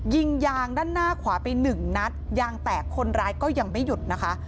ยิงยางด้านหน้าขวาไปหนึ่งนัดยางแตกคนร้ายก็ยังไม่หยุดนะคะ